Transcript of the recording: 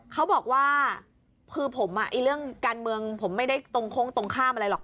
เขาบอกว่าคือผมเรื่องการเมืองผมไม่ได้ตรงโค้งตรงข้ามอะไรหรอก